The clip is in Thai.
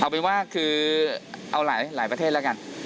เอาเป็นว่าคือเอาหลายประเทศแล้วกัน